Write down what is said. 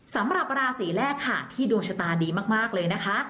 สำหรับราศีแรกค่ะที่ดวงชะตาดีมากเลยนะคะ